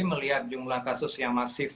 melihat jumlah kasus yang masif